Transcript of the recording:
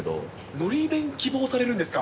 のり弁希望されるんですか。